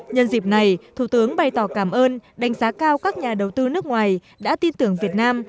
nhân dịp này thủ tướng bày tỏ cảm ơn đánh giá cao các nhà đầu tư nước ngoài đã tin tưởng việt nam